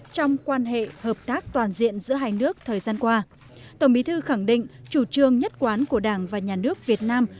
trong quan hệ hợp tác toàn diện giữa hai nước thời gian qua tổng bí thư khẳng định chủ trương nhất quán của đảng và nhà nước việt nam